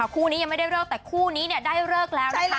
คู่นี้ยังไม่ได้เลิกแต่คู่นี้เนี่ยได้เลิกแล้วนะคะ